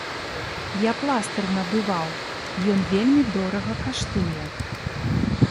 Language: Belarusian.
Я пластыр набываў, ён вельмі дорага каштуе.